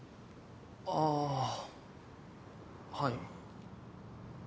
ああはい。